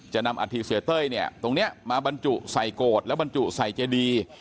นำอาธิเสียเต้ยเนี่ยตรงนี้มาบรรจุใส่โกรธแล้วบรรจุใส่เจดี